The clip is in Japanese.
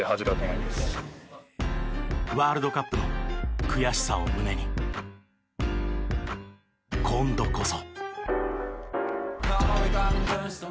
ワールドカップの悔しさを胸に今度こそ。